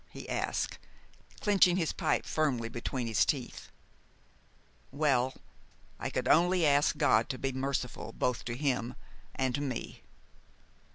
he asked, clenching his pipe firmly between his teeth. "Well, I could only ask God to be merciful both to him and to me."